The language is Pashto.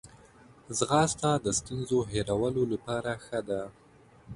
ځغاسته د ستونزو هیرولو لپاره ښه ده